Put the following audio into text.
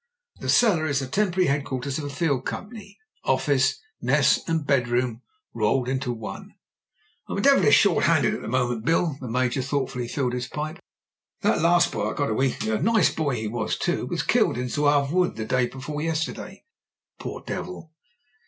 The cellar is the temporary headquarters of a field company — office, mess, and bedroom rolled into one. *'I'm devilish short handed for the moment. Bill." The Major thoughtfully filled his pipe. "That last boy I got a week ago — 2, nice boy he was, too— was killed in Zouave Wood the day before yesterday, poor devil.